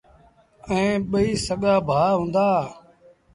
ائيٚݩ ٻئيٚ سڳآ ڀآ هُݩدآ۔